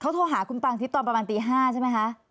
โทรหาคุณปางทิศตอนประมาณตี๕ใช่ไหมคะ